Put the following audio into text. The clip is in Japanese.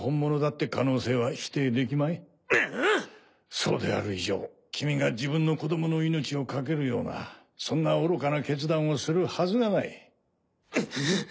そうである以上君が自分の子どもの命を懸けるようなそんな愚かな決断をするはずがない。